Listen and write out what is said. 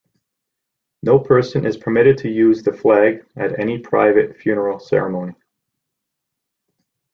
No person is permitted to use the flag at any private funeral ceremony.